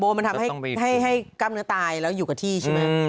มันทำให้กล้ามเนื้อตายแล้วอยู่กับที่ใช่ไหม